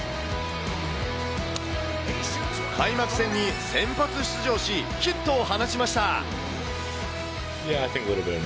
開幕戦に先発出場し、ヒットを放ちました。